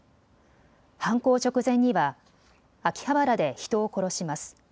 犯行直前には秋葉原で人を殺します。